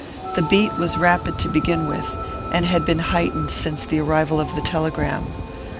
The beat was rapid to begin with, and had been heightened since the arrival of the telegram.